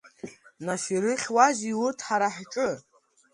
Нас ирыхьуазеи урҭ ҳара ҳҿы?